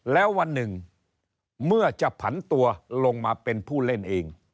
แล้ววันหนึ่งเมื่อจะผันตัวลงมาเป็นผู้เล่นเอง